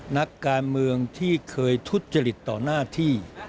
นักการเมืองที่เคยทุจริตต่อหน้าที่